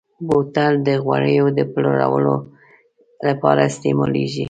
بوتل د غوړیو د پلور لپاره استعمالېږي.